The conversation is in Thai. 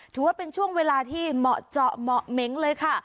ถือว่าเป็นช่วงเวลาที่เหมาะเจาะเหมาะเหม็งเลยค่ะ